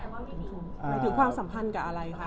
ไปถึงความสำคัญกับอะไรคะ